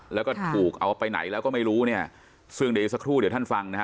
แล้วก็ถูกเอาไปไหนแล้วก็ไม่รู้เนี่ยซึ่งเดี๋ยวอีกสักครู่เดี๋ยวท่านฟังนะฮะ